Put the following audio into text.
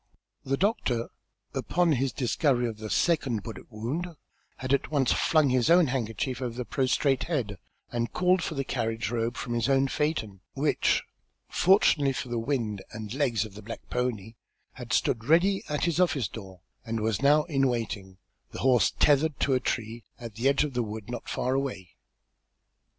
The doctor, upon his discovery of the second bullet wound, had at once flung his own handkerchief over the prostrate head, and called for the carriage robe from his own phaeton, which, fortunately for the wind and legs of the black pony, had stood ready at his office door, and was now in waiting, the horse tethered to a tree at the edge of the wood not far away.